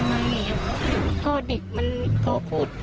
พ่อเด็กมันพูดพ่อพูด